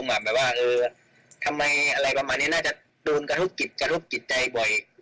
หมายว่าทำไมอะไรกับประมาณนี้น่าจะดูนกระทุกข์กิจจะลูกจิตใจบ่อย